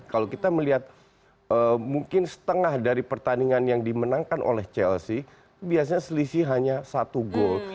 kalau kita melihat mungkin setengah dari pertandingan yang dimenangkan oleh chelsea biasanya selisih hanya satu gol